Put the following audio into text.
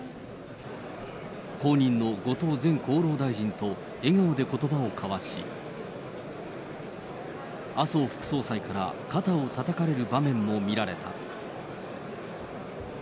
後任の後藤前厚労大臣と笑顔でことばを交わし、麻生副総裁から肩をたたかれる場面も見られた。